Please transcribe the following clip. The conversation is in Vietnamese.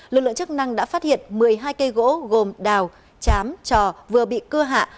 lực lượng chức năng đã phát hiện một mươi hai cây gỗ gồm đào chám trò vừa bị cưa hạ